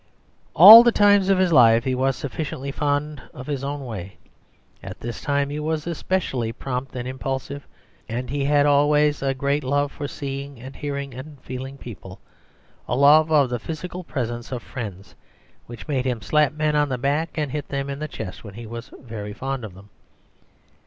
At all times of his life he was sufficiently fond of his own way; at this time he was especially prompt and impulsive, and he had always a great love for seeing and hearing and feeling people, a love of the physical presence of friends, which made him slap men on the back and hit them in the chest when he was very fond of them.